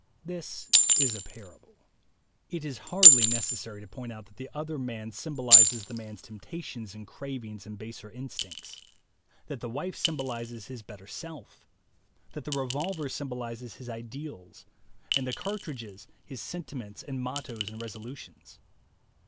This is a parable. It is hardly necessary to point out that the other man symbolizes the man's temp tations and cravings and baser instincts, that the wife symbolizes his better self, that the revolver symbolizes his ideals, and the cartridges his senti ments and mottoes and resolutions.